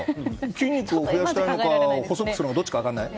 筋肉を増やしたいのか細くするのかどっちか分からない。